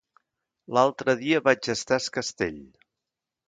L'altre dia vaig estar a Es Castell.